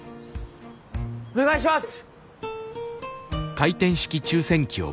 お願いします！